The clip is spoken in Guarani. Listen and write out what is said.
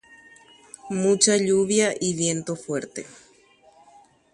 Amaguasu ha yvytu'atã.